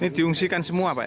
ini diungsikan semua pak